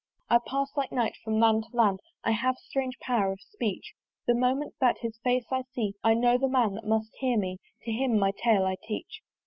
I pass, like night, from land to land; I have strange power of speech; The moment that his face I see I know the man that must hear me; To him my tale I teach.